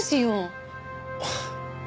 あっ